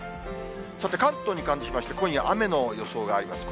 さて、関東に関しまして、今夜、雨の予想があります。